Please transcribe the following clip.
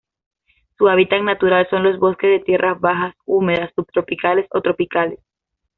Su hábitat natural son los bosques de tierras bajas húmedas subtropicales o tropicales.